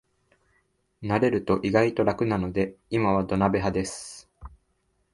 慣れると意外と楽なので今は土鍋派です